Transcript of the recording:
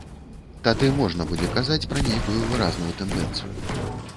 Тады можна будзе казаць пра нейкую выразную тэндэнцыю.